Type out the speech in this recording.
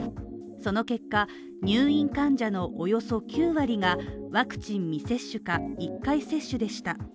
その結果、入院患者のおよそ９割がワクチン未接種か１回接種でした。